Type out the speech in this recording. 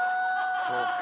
そうか！